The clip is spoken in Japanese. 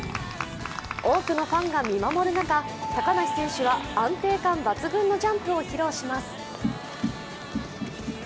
多くのファンが見守る中、高梨選手は安定感抜群のジャンプを披露します。